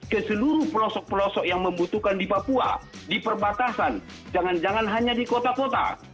ke seluruh pelosok pelosok yang membutuhkan di papua di perbatasan jangan jangan hanya di kota kota